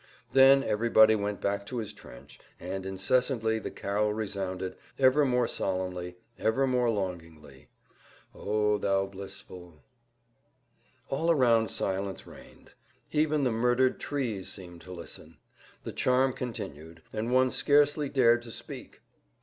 Then everybody went back to his trench, and incessantly the carol resounded, ever more solemnly, ever more longingly—"O, thou blissful—" All around silence reigned; even the murdered trees seemed to listen; the charm continued, and one scarcely dared to speak.